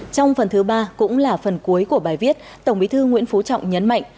trong phần thứ ba cũng là phần cuối của bài viết tổng bí thư nguyễn phú trọng nhấn mạnh